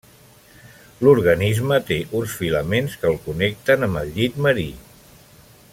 L'organisme té uns filaments que els connecten amb el llit marí.